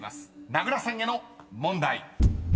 ［名倉さんへの問題］